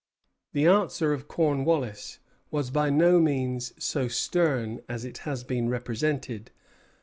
The answer of Cornwallis was by no means so stern as it has been represented.